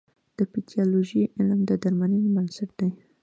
د پیتالوژي علم د درملنې بنسټ دی.